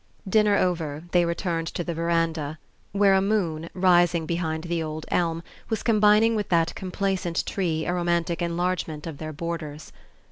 Dinner over, they returned to the veranda, where a moon, rising behind the old elm, was combining with that complaisant tree a romantic enlargement of their borders.